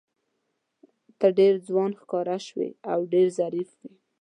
ته ډېر ځوان ښکاره شوې او ډېر ظریف وې.